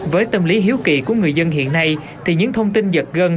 với tâm lý hiếu kỳ của người dân hiện nay thì những thông tin giật gân